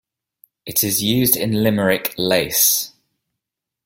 It is used in Limerick lace.